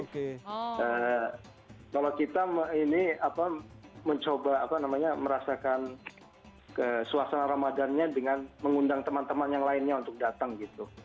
kalau kita mencoba merasakan suasana ramadannya dengan mengundang teman teman yang lainnya untuk datang gitu